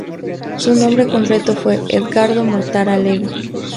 Su nombre completo fue Edgardo Mortara Levi.